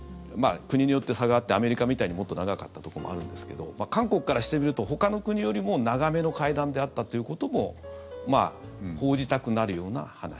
国によって差があってアメリカみたいにもっと長かったところもあるんですけど韓国からしてみるとほかの国よりも長めの会談であったということも報じたくなるような話。